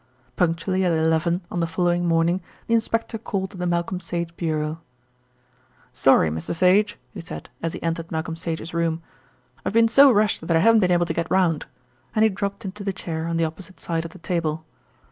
Punctually at eleven on the following morning the inspector called at the Malcolm Sage Bureau. "Sorry, Mr. Sage," he said, as he entered Malcolm Sage's room, "I've been so rushed that I haven't been able to get round," and he dropped into the chair on the opposite side of the table.